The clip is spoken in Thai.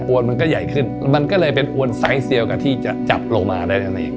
วนมันก็ใหญ่ขึ้นมันก็เลยเป็นอวนไซส์เซียลกับที่จะจับลงมาได้นั่นเอง